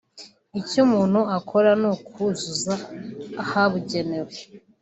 Icyo umuntu akora ni ukuzuza ahabugenewe